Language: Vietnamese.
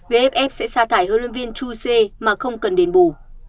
vff sẽ xa thải huấn luyện viên chú siê mà không cần đền bù